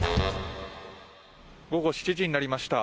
午後７時になりました。